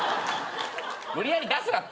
無理やり出すなって。